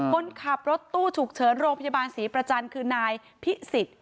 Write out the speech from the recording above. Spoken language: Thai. คนขับรถตู้ฉุกเฉินโรงพยาบาลศรีประจันทร์คือนายพิสิทธิ์